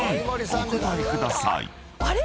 お答えください］